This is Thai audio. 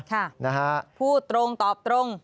ค่ะพูดตรงตอบตรง